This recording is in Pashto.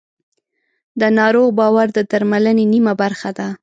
د ناروغ باور د درملنې نیمه برخه ده.